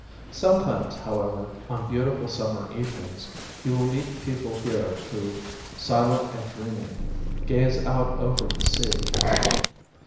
Some times, however, on beautiful summer evenings you will meet people here who, silent and dreaming, gaze out over the sea.